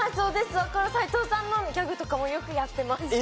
だから斎藤さんのギャグとかもよくやってました。